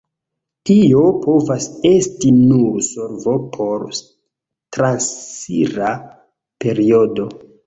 Tio povas esti nur solvo por transira periodo.